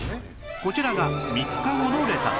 こちらが３日後のレタス